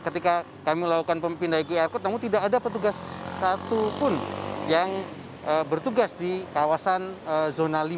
ketika kami melakukan pindai qr code namun tidak ada petugas satu pun yang bertugas di kawasan zona lima ini